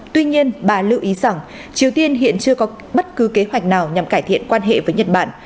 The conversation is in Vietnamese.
tuy nhiên bà lưu ý rằng triều tiên hiện chưa có bất cứ kế hoạch nào nhằm cải thiện quan hệ với nhật bản